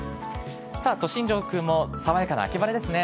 さあ、都心上空も爽やかな秋晴れですね。